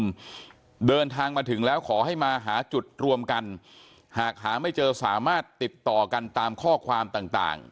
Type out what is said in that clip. เดินทางมาถึงแล้วขอให้มาหาจุดรวมกันหากหาไม่เจอสามารถติดต่อกันตามข้อความต่างต่าง